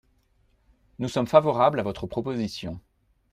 Nous sommes favorables à votre proposition.